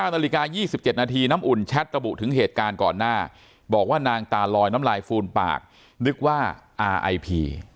นาฬิกา๒๗นาทีน้ำอุ่นแชทระบุถึงเหตุการณ์ก่อนหน้าบอกว่านางตาลอยน้ำลายฟูนปากนึกว่าอาไอพี